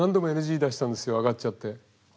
あがっちゃって。